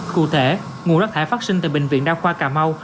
cụ thể nguồn rác thải phát sinh từ bệnh viện đa khoa cà mau